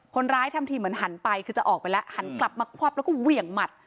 ทำทีเหมือนหันไปคือจะออกไปแล้วหันกลับมาควับแล้วก็เหวี่ยงหมัด